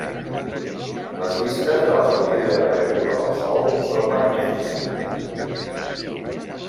Les vistes de la sortida i la caiguda del Sol són magnífics també.